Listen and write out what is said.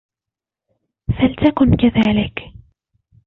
فلتكن كذلك!